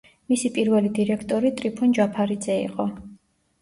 მისი პირველი დირექტორი ტრიფონ ჯაფარიძე იყო.